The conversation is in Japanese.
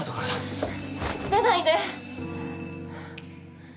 出ないで！